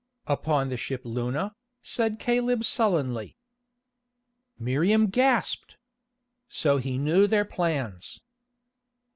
"Upon the ship Luna," said Caleb sullenly. Miriam gasped! So he knew their plans.